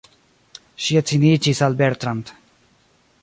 Ŝi edziniĝis al Bertrand.